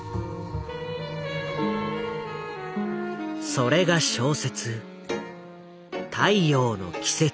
それが小説「太陽の季節」。